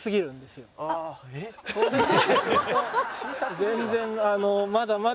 全然まだまだ。